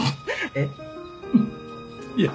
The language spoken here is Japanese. えっ？いや。